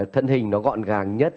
thân hình nó gọn gàng nhất